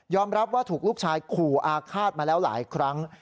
รับว่าถูกลูกชายขู่อาฆาตมาแล้วหลายครั้ง